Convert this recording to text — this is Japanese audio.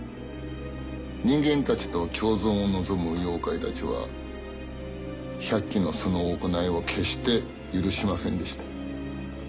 人間たちと共存を望む妖怪たちは百鬼のその行いを決して許しませんでした。